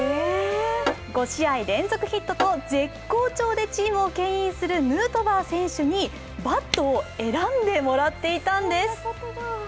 ５試合連続ヒットと、絶好調でチームをけん引するヌートバー選手にバットを選んでもらっていたんです。